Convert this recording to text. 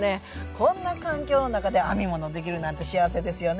こんな環境の中で編み物できるなんて幸せですよね。